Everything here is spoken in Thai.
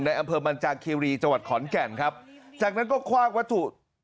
ในอำเภอมรรจาเครีจัวรรย์ขอร์นแก่นครับจากนั้นก็ควากวัตถุที่อยู่ในมือ